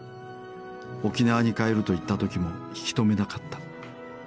沖縄に帰ると言った時も引き止めなかった。